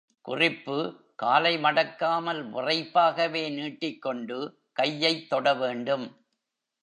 குறிப்பு காலை மடக்காமல் விறைப்பாகவே நீட்டிக்கொண்டு கையைத் தொட வேண்டும்.